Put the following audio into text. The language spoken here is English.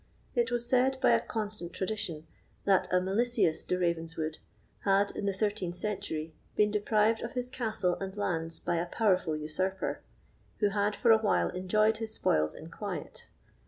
It was said by a constant tradition that a Malisius de Ravenswood had, in the 13th century, been deprived of his castle and lands by a powerful usurper, who had for a while enjoyed his spoils in quiet.